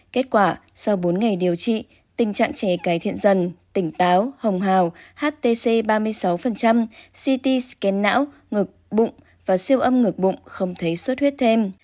kết quả sau bốn ngày điều trị tình trạng trẻ cải thiện dần tỉnh táo hồng hào htc ba mươi sáu ct sken não ngực bụng và siêu âm ngược bụng không thấy suất huyết thêm